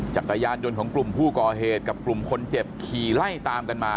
จักรยานยนต์ของกลุ่มผู้ก่อเหตุกับกลุ่มคนเจ็บขี่ไล่ตามกันมา